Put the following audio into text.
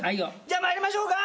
じゃあ参りましょうか。